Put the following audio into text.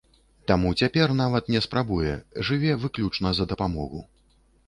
Таму цяпер нават не спрабуе, жыве выключна за дапамогу.